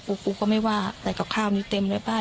กล่องน่ะดึงออกหมดเลย